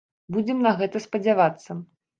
Будзем на гэта спадзявацца.